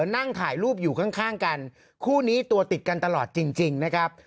นั่งถ่ายรูปอยู่ข้างกันคู่นี้ตัวติดกันตลอดจริงนะครับ